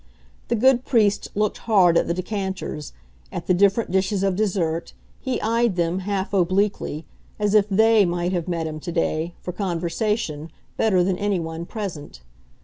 The good priest looked hard at the decanters, at the different dishes of dessert he eyed them, half obliquely, as if THEY might have met him to day, for conversation, better than any one present.